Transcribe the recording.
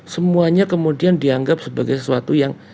semuanya kemudian dianggap sebagai sesuatu yang